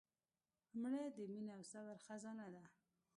مړه د مینې او صبر خزانه وه